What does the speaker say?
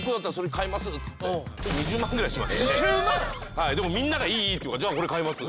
はいでもみんながいいいいって言うから「じゃあこれ買います」。